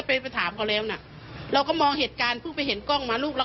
แม่ก็เลยบอกให้มามอบตัวตายแต่ว่าส่วนหนึ่งก็เพราะลูกชาย